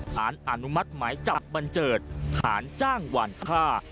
สารอนุมัติไหมจับบัญเจิดสารจ้างหวั่นค่า